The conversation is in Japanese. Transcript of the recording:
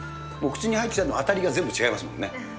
口に入ってきたのは、あたりが全部違いますもんね。